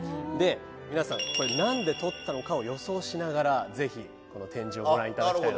皆さんこれなんで撮ったのかを予想しながらぜひ展示をご覧いただきたいなという風に思います。